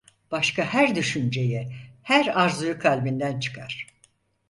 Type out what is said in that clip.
Başka her düşünceyi, her arzuyu kalbinden çıkar.